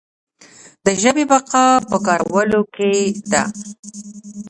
د ژبې بقا په کارولو کې ده.